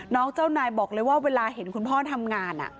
เจ้านายบอกเลยว่าเวลาเห็นคุณพ่อทำงาน